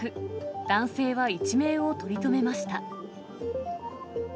男性は一命を取り留めました。